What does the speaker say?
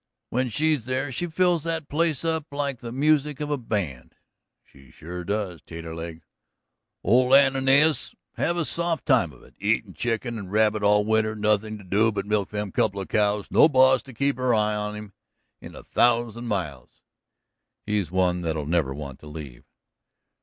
When she's there she fills that place up like the music of a band." "She sure does, Taterleg." "Old Ananias'll have a soft time of it, eatin' chicken and rabbit all winter, nothing to do but milk them couple of cows, no boss to keep her eye on him in a thousand miles." "He's one that'll never want to leave."